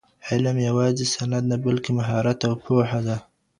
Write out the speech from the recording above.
علم یوازې سند نه، بلکې مهارت او پوهه ده.